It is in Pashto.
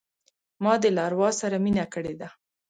ما دي له اروا سره مینه کړې ده